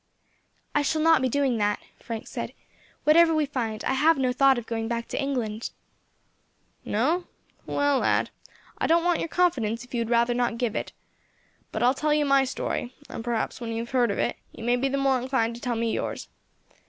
"I shall not be doing that," Frank said; "whatever we find, I have no thought of going back to England." "No? Well, lad, I don't want your confidence if you would rather not give it; but I will tell you my story, and perhaps when you have heard it you may be the more inclined to tell me yours.